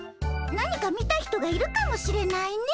何か見た人がいるかもしれないね。